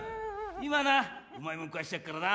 今なうまいもん食わしてやっからな。